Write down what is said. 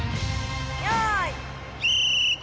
よい。